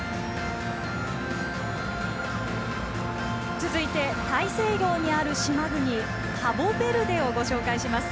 続いて大西洋にある島国カボベルデをご紹介します。